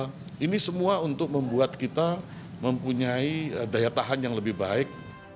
nah ini semua untuk membuat kita mempunyai daya tahan yang lebih baik